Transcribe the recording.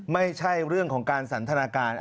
ไม่ใช่เรื่องของการสันทนาการ